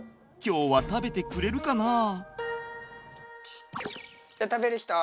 今日は食べてくれるかな？